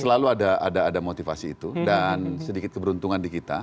selalu ada motivasi itu dan sedikit keberuntungan di kita